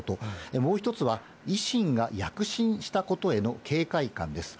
もう１つは維新が躍進したことへの警戒感です。